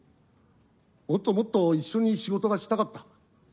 もっともっと一緒に仕事がしたかった。